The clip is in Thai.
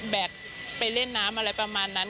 แกกไปเล่นน้ำอะไรประมาณนั้น